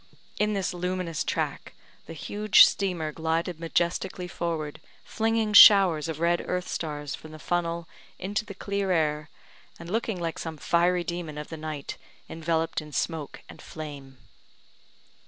In this luminous track the huge steamer glided majestically forward, flinging showers of red earth stars from the funnel into the clear air, and looking like some fiery demon of the night enveloped in smoke and flame.